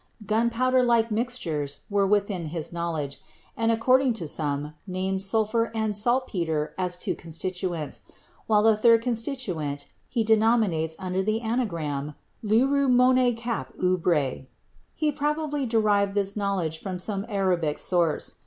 Gunpowder like mixtures were within his knowledge, and, according to some, names sulphur and saltpeter as two constituents, while the third constituent he denominates under the anagram "luru mone cap ubre." He probably derived this knowledge from some Arabic source.